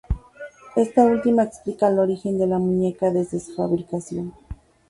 Esta última explica el origen de la muñeca desde su fabricación.